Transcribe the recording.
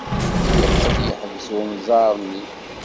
Yeqqel yeḥbes unẓar-nni.